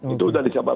itu sudah disiapkan